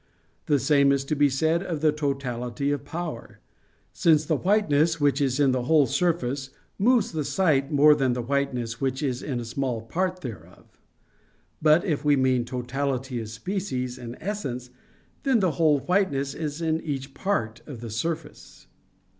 The same is to be said of totality of power: since the whiteness which is in the whole surface moves the sight more than the whiteness which is in a small part thereof. But if we mean totality of species and essence, then the whole whiteness is in each part of a surface.